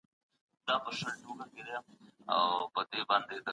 ساینسي پرمختګونو د تاریخي حقایقو په رابرسېره کولو کي لویه ونډه لرلي ده.